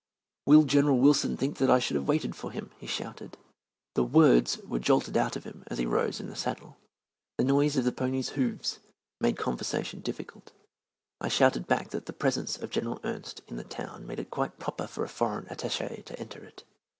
"Will General Wilson think I should have waited for him?" he shouted. The words were jolted out of him as he rose in the saddle. The noise of the ponies' hoofs made conversation difficult. I shouted back that the presence of General Ernst in the town made it quite proper for a foreign attache to enter it.